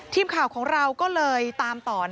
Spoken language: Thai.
ทีมข่าวของเราก็เลยตามต่อ